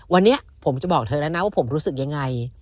วันนี้ผมจะบอกเธอแล้วนะว่าผมรู้สึกยังไง